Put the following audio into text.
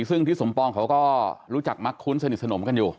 ซึ่งทิศสมปองเขาก็รู้จักมักคุ้นสนิทสนมกันอยู่